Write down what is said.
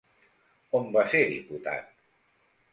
On va ser diputat?